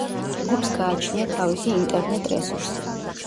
ჯგუფს გააჩნია თავისი ინტერნეტ რესურსი.